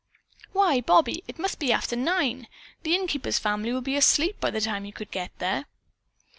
"Why, Bobby, it must be after nine. The innkeeper's family will be asleep by the time you could get there."